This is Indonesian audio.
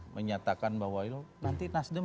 menyatakan bahwa nanti nasdem